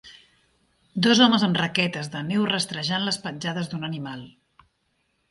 Dos homes amb raquetes de neu rastrejant les petjades d'un animal.